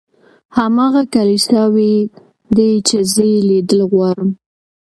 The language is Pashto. هماغه کلیساوې دي چې زه یې لیدل غواړم.